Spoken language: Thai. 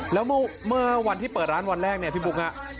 แล้วเมื่อวันที่เปิดร้านวันแรกเนี่ยพี่บุ๊คฮะ